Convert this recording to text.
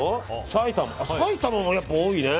埼玉も多いね。